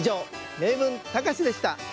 「名文たかし」でした。